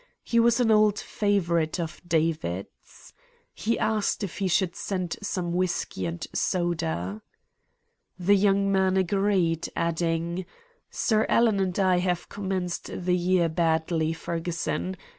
He was an old favourite of David's. He asked if he should send some whisky and soda. "The young man agreed, adding: "'Sir Alan and I have commenced the year badly, Ferguson.